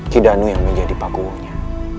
kidanu yang menjadi pakuuhnya